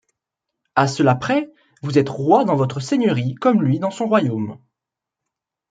À cela près, vous êtes roi dans votre seigneurie comme lui dans son royaume.